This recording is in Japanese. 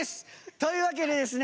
というわけでですね